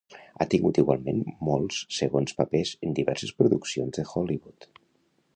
Ha tingut igualment molts segons papers en diverses produccions de Hollywood.